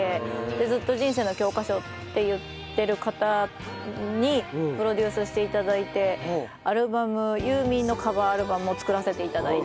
ずっと人生の教科書って言ってる方にプロデュースして頂いてアルバムユーミンのカバーアルバムを作らせて頂いて。